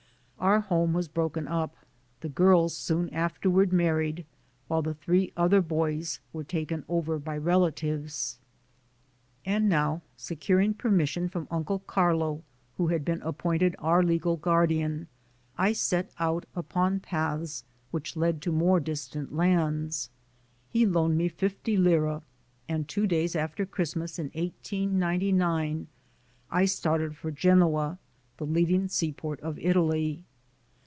Our home was broken up, the girls soon afterward married, while the three other boys were taken over by relatives. And now securing permission from Uncle Carlo, who had been appointed our legal guardian, I set out upon paths which led to more distant lands. He loaned me fifty lire, and two days after Christ mas in 1899, I started for Genoa, the leading sea port of Italy.